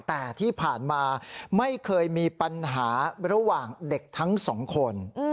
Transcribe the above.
แต่ที่ผ่านมาไม่เคยมีปัญหาระหว่างเด็กทั้งสองคน